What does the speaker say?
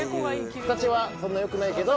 形はそんな良くないけど。